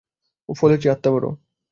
ফলের চেয়ে আত্মা বড়ো।